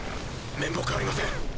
面目ありません。